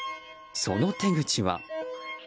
その手口は。